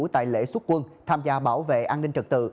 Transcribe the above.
tại lễ xuất quân tham gia bảo vệ an ninh trật tự